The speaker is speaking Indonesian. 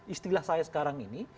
istilah saya sekarang ini